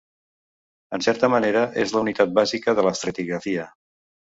En certa manera, és la unitat bàsica de l'estratigrafia.